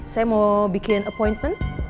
saya mau bikin appointment